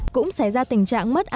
cũng xảy ra tình trạng mất